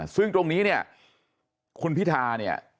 ซึ่งตรงนี้เนี่ยคุณพิธาเนี่ย